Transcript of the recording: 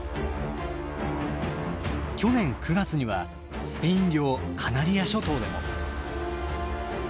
去年９月にはスペイン領カナリア諸島でも。